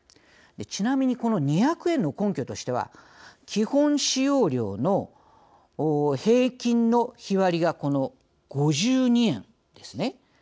ちなみにこの２００円の根拠としては基本使用料の平均の日割りがこの５２円ですね。